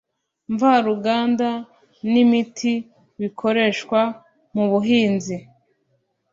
mvaruganda n imiti bikoreshwa mu buhinzi